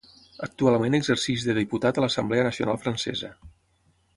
Actualment exerceix de diputat a l'Assemblea Nacional Francesa.